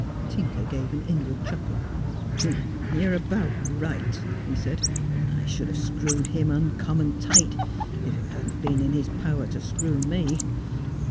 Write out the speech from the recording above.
Tinker gave an inward chuckle. ' You're about right,' he said. ' I should have screwed him uncommon tight if it hadn't been in his power to screw me.